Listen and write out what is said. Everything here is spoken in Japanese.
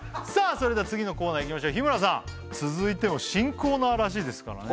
それでは次のコーナーいきましょう日村さん続いては新コーナーらしいですからね